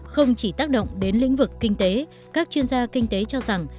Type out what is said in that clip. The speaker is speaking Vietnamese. không chỉ tác động đến lĩnh vực kinh tế các chuyên gia kinh tế cho rằng